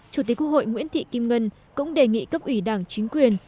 chủ tịch quốc hội nguyễn thị kim ngân cũng đề nghị cấp ủy đảng chính quyền